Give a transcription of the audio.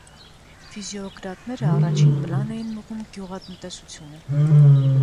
Ֆիզիոկրատները առաջին պլան էին մղում գյուղատնտեսությունը։